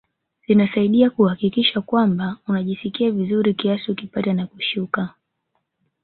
Zinasaidia kuhakikisha kwamba unajisikia vizuri kiasi ukipanda na ukishuka